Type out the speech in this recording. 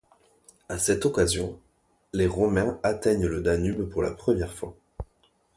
À cette occasion, les Romains atteignent le Danube pour la première fois.